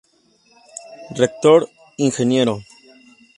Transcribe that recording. Rector, Ing.